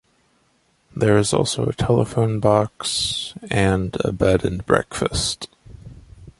There is also a telephone box and a bed and breakfast.